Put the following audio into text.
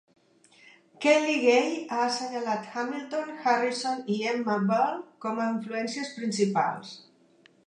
Kelly Gay ha assenyalat Hamilton, Harrison i Emma Bull com a influències principals.